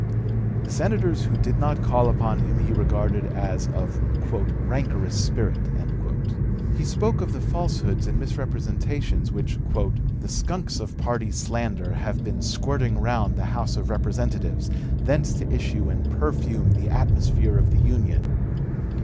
The senators who did not call upon him he regarded as of "rancorous spirit." He spoke of the falsehoods and misrepresentations which "the skunks of party slander ... have been ... squirting round the House of Representatives, thence to issue and perfume the atmosphere of the Union."